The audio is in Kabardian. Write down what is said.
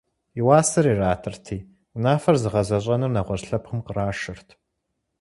И уасэр иратырти, унафэр зыгъэзэщӏэнур нэгъуэщӏ лъэпкъым кърашырт.